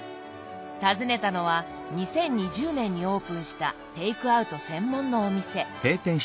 訪ねたのは２０２０年にオープンしたテイクアウト専門のお店。